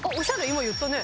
今言ったね。